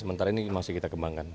sementara ini masih kita kembangkan